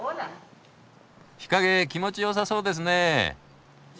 日陰気持ちよさそうですね。